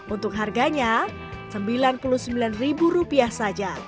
untuk harganya rp sembilan puluh sembilan saja